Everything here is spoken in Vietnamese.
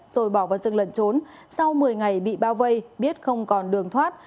rồi bỏ vào rừng lẩn trốn sau một mươi ngày bị bao vây biết không còn đường thoát